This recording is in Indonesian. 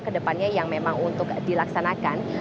yang akan dilaksanakan pada tahun depan